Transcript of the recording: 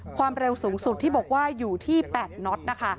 ความเร็วสูงสุดที่บอกว่าอยู่ที่๘น็อตนะคะ